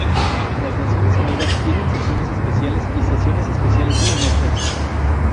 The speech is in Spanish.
Las Naciones Unidas tienen sesiones especiales y sesiones especiales de emergencia.